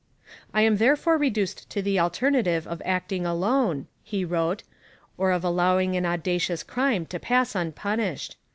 'I am therefore reduced to the alternative of acting alone,' he wrote, 'or of allowing an audacious crime to pass unpunished.